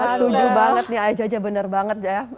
ya setuju banget nih ayah jajah bener banget ya